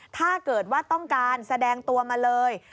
ถ้าเกิดว่าต้องการแสดงตัวมาเลย